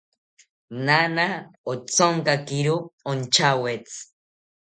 Naana othonkakiro ontyawetzi